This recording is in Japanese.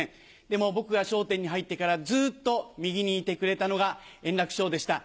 でも僕が笑点に入ってから、ずっと右にいてくれたのが円楽師匠でした。